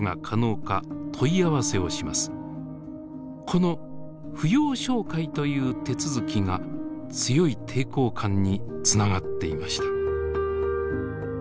この「扶養照会」という手続きが強い抵抗感につながっていました。